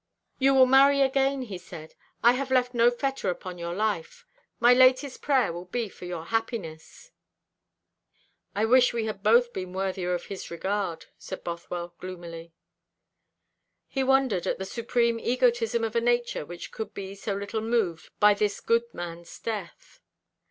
'You will marry again,' he said. 'I have left no fetter upon your life. My latest prayer will be for your happiness.'" "I wish we had both been worthier of his regard," said Bothwell gloomily. He wondered at the supreme egotism of a nature which could be so little moved by this good man's death.